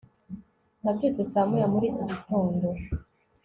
nabyutse saa moya muri iki gitondo